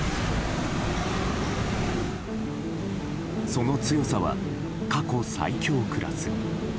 その強さは、過去最強クラス。